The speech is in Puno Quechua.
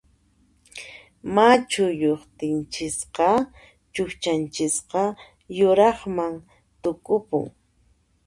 Machuyaqtinchisqa chuqchanchisqa yuraqman tukupun.